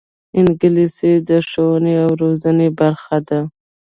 انګلیسي د ښوونې او روزنې برخه ده